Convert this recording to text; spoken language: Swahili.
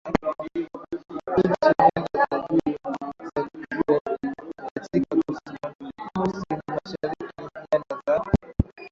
nchi nyanda za juu za Guayana katika kusinimashariki Nyanda za